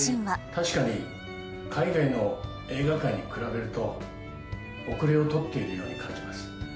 確かに海外の映画界に比べると、後れを取っているように感じます。